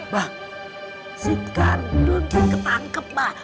pak si kak dun ditangkep pak